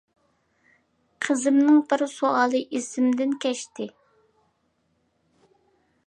قىزىمنىڭ بىر سوئالى ئىسىمدىن كەچتى.